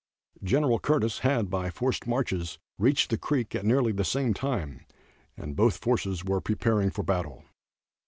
Gen. Curtis had, by forced marches, reached the creek at nearly the same time, and both forces were preparing for battle.